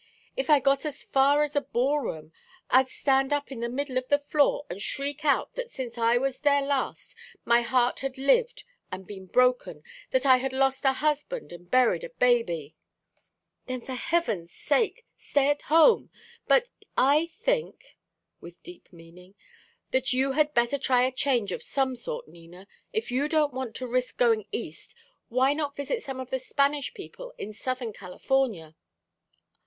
If I got as far as a ball room I'd stand up in the middle of the floor and shriek out that since I was there last my heart had lived and been broken, that I had lost a husband and buried a baby " "Then, for Heaven's sake, stay at home! But I think," with deep meaning, "that you had better try a change of some sort, Nina. If you don't want to risk going East, why not visit some of the Spanish people in Southern California?"